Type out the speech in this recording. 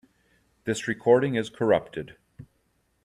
This recording is corrupted.